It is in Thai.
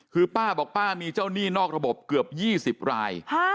คือป้าบอกป้ามีเจ้าหนี้นอกระบบเกือบ๒๐ราย